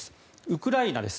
ウクライナです。